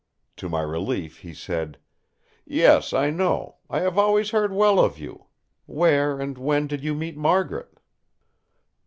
To my relief he said: "Yes, I know. I have always heard well of you! Where and when did you meet Margaret?"